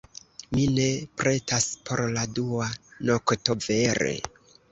Mi ne pretas por la dua nokto, vere.